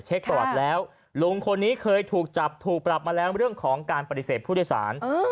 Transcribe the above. ประวัติแล้วลุงคนนี้เคยถูกจับถูกปรับมาแล้วเรื่องของการปฏิเสธผู้โดยสาร